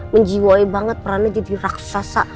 menjiwai banget perannya jadi raksasa